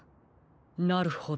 なるほど。